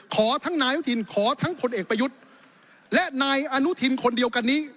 ขอทั้งนายอนุทินขอทั้งผลเอกประยุทธ์และนายอนุทินคนเดียวกันนี้